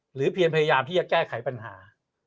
เพียงพยายามที่จะแก้ไขปัญหา